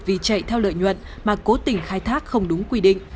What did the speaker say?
người mà chạy theo lợi nhuận mà cố tình khai thác không đúng quy định